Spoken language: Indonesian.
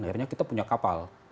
akhirnya kita punya kapal